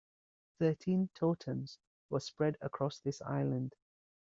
Thirteen totems were spread across this island.